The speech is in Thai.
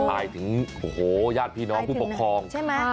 อายถึงโอ้โฮญาติพี่น้องผู้ปกครอง